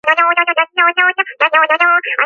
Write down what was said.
შენობას მაღალი სარდაფი აქვს.